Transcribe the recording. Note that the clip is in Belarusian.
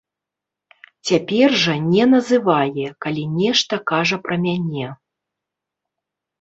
Цяпер жа не называе, калі нешта кажа пра мяне.